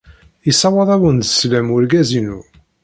Yessawaḍ-awen-d sslam wergaz-inu.